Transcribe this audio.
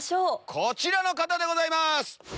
こちらの方でございます！